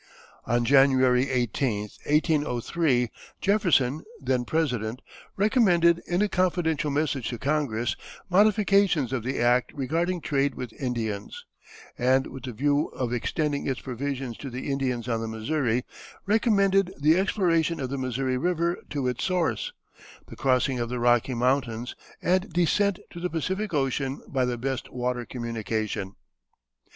On January 18, 1803, Jefferson, then President, recommended in a confidential message to Congress modifications of the act regarding trade with Indians, and with the view of extending its provisions to the Indians on the Missouri, recommended the exploration of the Missouri River to its source, the crossing of the Rocky Mountains, and descent to the Pacific Ocean by the best water communication.